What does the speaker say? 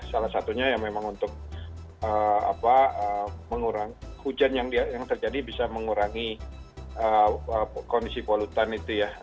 salah satunya yang memang untuk mengurangi hujan yang terjadi bisa mengurangi kondisi polutan itu ya